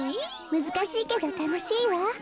むずかしいけどたのしいわ。